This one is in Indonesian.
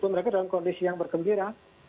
mereka dalam kondisi yang bergembira